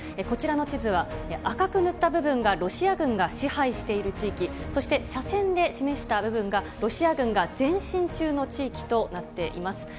こちらの地図は、赤く塗った部分がロシア軍が支配している地域、そして斜線で示した部分が、ロシア軍が前進中の地域となっています。